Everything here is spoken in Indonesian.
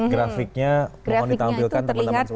grafiknya mohon ditampilkan